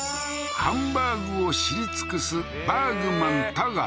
ハンバーグを知り尽くすバーグマン田形